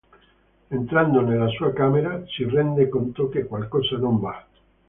Entrando nella sua camera, si rende conto che qualcosa non va.